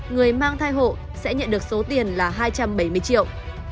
người mang thai hộ sẽ nhận được số tiền là hai trăm bảy mươi triệu